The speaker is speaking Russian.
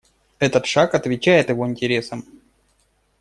Этот шаг отвечает его интересам.